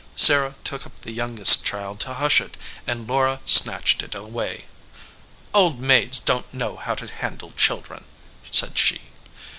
Sarah took up the youngest child to hush it, and Laura snatched it away. "Old maids don t know how to handle children," said she.